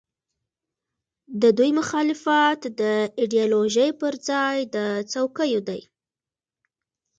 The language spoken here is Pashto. د دوی مخالفت د ایډیالوژۍ پر ځای د څوکیو دی.